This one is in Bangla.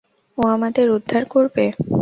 ও আমাদের উদ্ধার করবে।